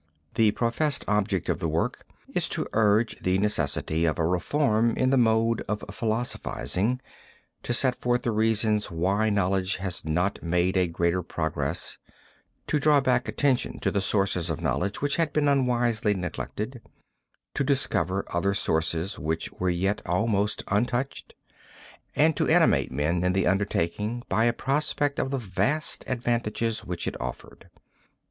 The professed object of the work is to urge the necessity of a reform in the mode of philosophizing, to set forth the reasons why knowledge had not made a greater progress, to draw back attention to the sources of knowledge which had been unwisely neglected, to discover other sources which were yet almost untouched, and to animate men in the undertaking by a prospect of the vast advantages which it offered.